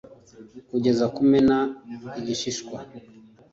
Kugeza kumena igishishwa